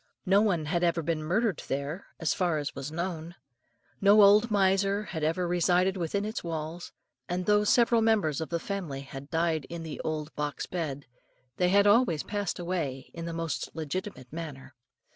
No one had ever been murdered there, so far as was known. No old miser had ever resided within its walls; and though several members of the family had died in the old box bed, they had all passed away in the most legitimate manner.